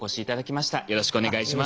よろしくお願いします。